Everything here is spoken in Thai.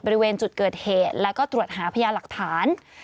บริเวณจุดเกิดเหตุแล้วก็ตรวจหาพยาหลักฐาน